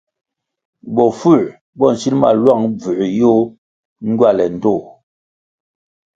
Bofuer bo nsil ma luang bvųer yoh ngywale ndtoh.